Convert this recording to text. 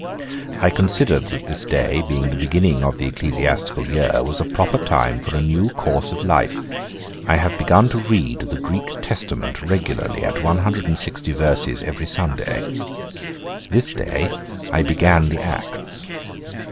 I considered that this day, being the beginning of the ecclesiastical year, was a proper time for a new course of life. I began to read the Greek Testament regularly at 160 verses every Sunday. This day I began the Acts.